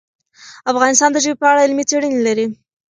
افغانستان د ژبې په اړه علمي څېړنې لري.